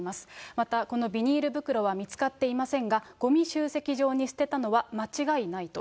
またこのビニール袋は見つかっていませんが、ごみ集積場に捨てたのは間違いないと。